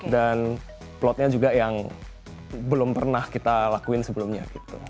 dan plotnya juga yang belum pernah kita lakuin sebelumnya gitu